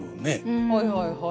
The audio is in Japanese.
はいはいはいはい。